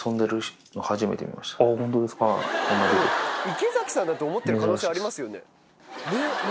池崎さんだと思ってる可能性ありますよね。